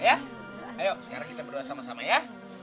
ayo sekarang kita berdoa sama sama ya